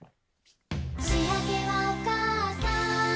「しあげはおかあさん」